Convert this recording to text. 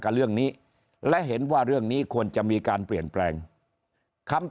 กับเรื่องนี้และเห็นว่าเรื่องนี้ควรจะมีการเปลี่ยนแปลงคำ